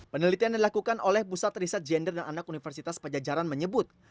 penelitian dilakukan oleh pusat riset gender dan anak universitas pajajaran menyebut